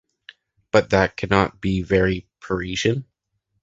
But, that cannot be very Parisian...